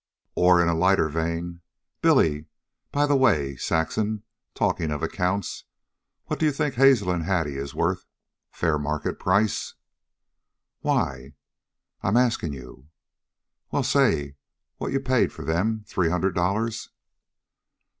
Or, in lighter vein, Billy: "By the way, Saxon, talkin' of accounts, what d'you think Hazel an' Hattie is worth? fair market price?" "Why?" "I 'm askin' you." "Well, say, what you paid for them three hundred dollars."